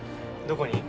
どこに？